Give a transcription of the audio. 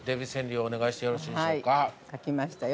◆はい、書きましたよ。